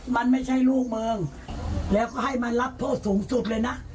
มันไม่ใช่ลูกมึงแล้วก็ให้มันรับโทษสูงสุดเลยนะ